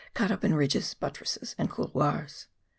cut up in ridges, buttresses and couloirs.